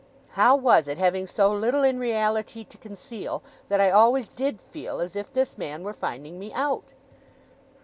How was it, having so little in reality to conceal, that I always DID feel as if this man were finding me out?